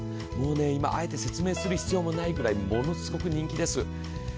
もうね今あえて説明する必要もないぐらいものすごく人気です。